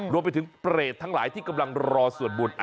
รวมไปถึงเปรตทั้งหลายที่กำลังรอสวดบุญ